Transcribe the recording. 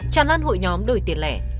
tràn lan hội nhóm đổi tiền lẻ